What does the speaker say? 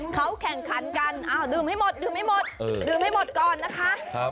เขาแข่งขันกันดื่มให้หมดดื่มให้หมดก่อนนะคะ